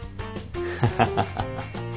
ハハハハ。